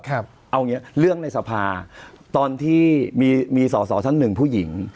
เอาอย่างนี้เรื่องในสภาตอนที่มีสอสอชั้นหนึ่งผู้หญิง